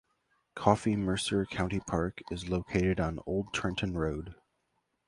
Coffee Mercer County Park is located on Old Trenton Road.